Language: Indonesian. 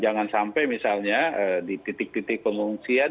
jangan sampai misalnya di titik titik pengungsian